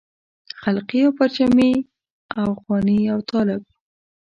خلقي او پرچمي اخواني او طالب.